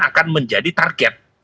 akan menjadi target